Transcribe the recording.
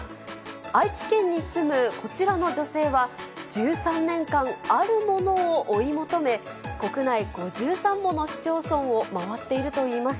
愛知県に住むこちらの女性は、１３年間、あるものを追い求め、国内５３もの市町村を回っているといいます。